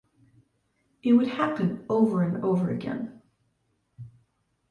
It would happen over and over again.